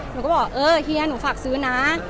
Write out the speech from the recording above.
หนูก็บอกเออเฮียหนูฝากซื้อนะ